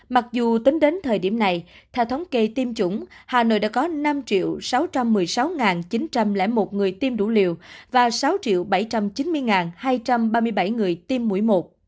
mặc dù tính đến thời điểm này theo thống kê tiêm chủng hà nội đã có năm sáu trăm một mươi sáu chín trăm linh một người tiêm đủ liều và sáu bảy trăm chín mươi hai trăm ba mươi bảy người tiêm mũi một